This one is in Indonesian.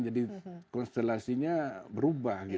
jadi konstelasinya berubah